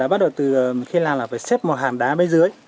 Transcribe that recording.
bắt đầu từ khi là phải xếp một hàm đá bên dưới